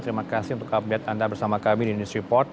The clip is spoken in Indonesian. terima kasih untuk update anda bersama kami di news report